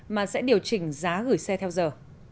mà sẽ điều chỉnh giá gửi xe theo giờ